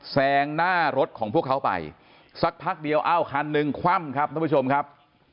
แซงหน้ารถของพวกเขาไปสักพักเดียวเอ้าคันหนึ่งคว่ำครับท่านผู้ชมครับ